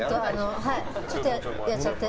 ちょっとやっちゃって。